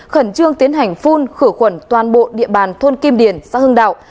khẩn trương tiến hành phun khử khuẩn toàn bộ địa bàn thôn kim điền xã hưng đạo